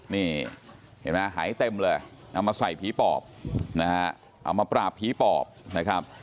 เห็นมั้ยหายเต็มเลยเอามาใส่ผีปอบเอามาปราบผีปอบนะครับ